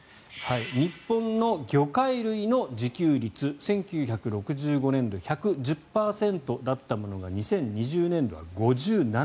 日本の魚介類の自給率１９６５年度１１０％だったものが２０２０年度は５７％。